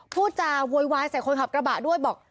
พูดจาโวยวายใส่คนขับกระบะด้วยบอก